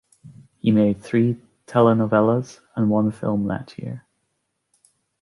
He made three telenovelas and one film that year.